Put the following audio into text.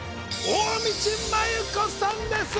大道麻優子さんです